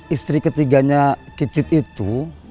istri ketiganya kicit itu